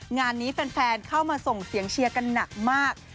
งานนี้แฟนเข้ามาส่งเสียงเชียร์กันหนักมาก